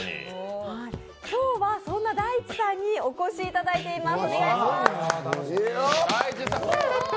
今日はそんなＤａｉｃｈｉさんにお越しいただいています。